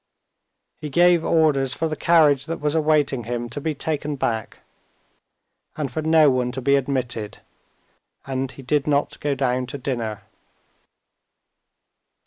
He gave orders for the carriage that was awaiting him to be taken back, and for no one to be admitted, and he did not go down to dinner.